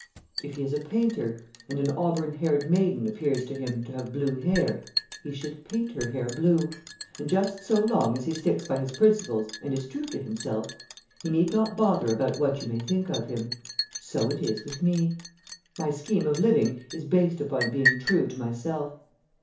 If he is a painter, and an auburn haired maiden appears to him to have blue hair, he should paint her hair blue, and just so long as he sticks by his principles and is true to himself, he need not bother about what you may think of him. So it is with me. My scheme of living is based upon being true to myself.